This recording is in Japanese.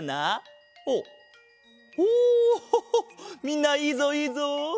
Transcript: みんないいぞいいぞ！